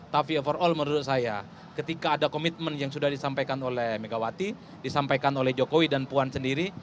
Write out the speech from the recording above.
tapi overall menurut saya ketika ada komitmen yang sudah disampaikan oleh megawati disampaikan oleh jokowi dan puan sendiri